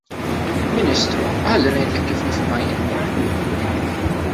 Ministru, ħalli ngħidlek kif nifhimha jien.